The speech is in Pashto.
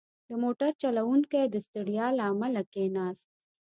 • د موټر چلوونکی د ستړیا له امله کښېناست.